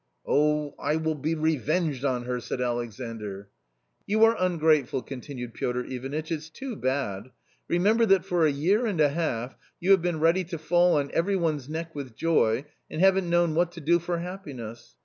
" .Oh, I will be revenged on her !" said Alexandr. " You are ungrateful," continued Piotr Ivanitch, " it's too bad ! Remember that for a year and a half you have been ready to fall on every one's neck with joy, and haven't known what to do for happiness